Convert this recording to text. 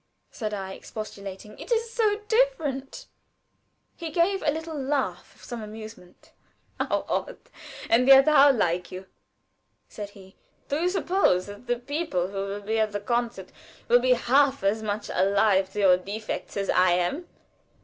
said I, expostulating; "it is so different." He gave a little laugh of some amusement. "How odd! and yet how like you!" said he. "Do you suppose that the people who will be at the concert will be half as much alive to your defects as I am?